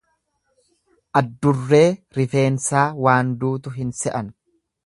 Addurree rifeensaa waan duutu hin se'an.